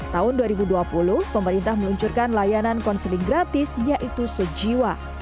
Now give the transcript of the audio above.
tahun dua ribu dua puluh pemerintah meluncurkan layanan konseling gratis yaitu sejiwa